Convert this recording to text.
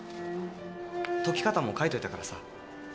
解き方も書いといたからさ。